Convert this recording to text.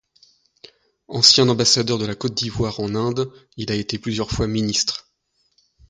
Ancien ambassadeur de la Côte d'Ivoire en Inde, il a été plusieurs fois ministre.